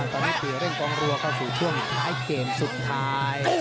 ตอนนี้เสียเร่งกองรัวเข้าสู่ช่วงท้ายเกมสุดท้าย